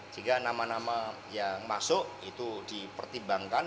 jika nama nama yang masuk itu dipertimbangkan